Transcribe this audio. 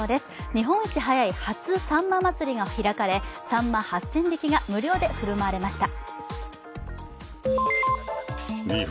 日本一早い初さんま祭が開かれ、さんま８０００匹が無料で振る舞われました。